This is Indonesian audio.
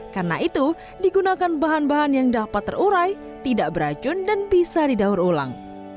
karena itu digunakan bahan bahan yang dapat terurai tidak beracun dan bisa didaur ulang